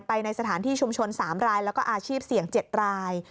ในสถานที่ชุมชน๓รายแล้วก็อาชีพเสี่ยง๗ราย